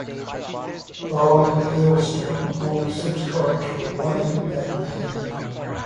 Following the hail storm, only six cars were running at the end.